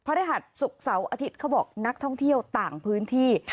ฤหัสศุกร์เสาร์อาทิตย์เขาบอกนักท่องเที่ยวต่างพื้นที่